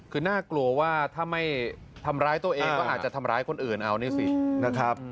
คือน่ากลัวว่าถ้าไม่ทำร้ายตัวเองก็อาจจะทำร้ายคนอื่นเอานี่สินะครับ